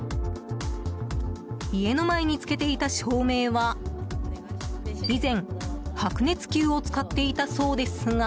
家の前につけていた照明は以前、白熱球を使っていたそうですが。